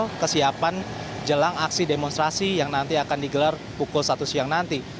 dan akan melakukan jelang aksi demonstrasi yang nanti akan digelar pukul satu siang nanti